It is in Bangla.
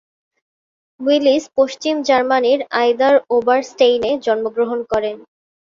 উইলিস পশ্চিম জার্মানির আইদার-ওবারস্টেইনে জন্মগ্রহণ করেন।